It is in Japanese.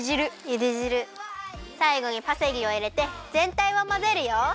さいごにパセリをいれてぜんたいをまぜるよ。